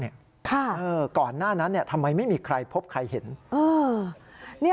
ก่อนหน้านั้นทำไมไม่มีใครพบใครเห็น